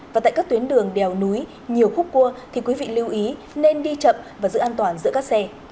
và tại các tuyến đường đèo núi nhiều khúc cua thì quý vị lưu ý nên đi chậm và giữ an toàn giữa các xe